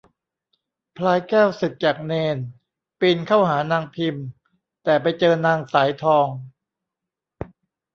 พลายแก้วสึกจากเณร ปีนเข้าหานางพิม แต่ไปเจอนางสายทอง